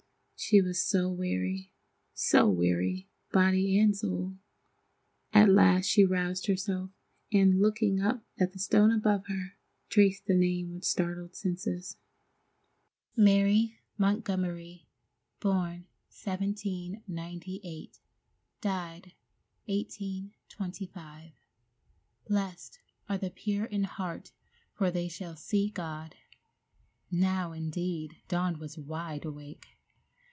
She was so weary, so weary, body and soul. At last she roused herself, and, looking up at the stone above her, traced the name with startled senses: MARY MONTGOMERY, Born 1798, Died 1825. Blessed are the pure in heart, for they shall see God. Now, indeed, Dawn was wide awake!